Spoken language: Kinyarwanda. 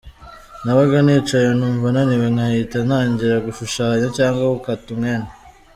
Nabaga nicaye numva naniwe nkahita ntangira gushushanya cyangwa gukata umwenda.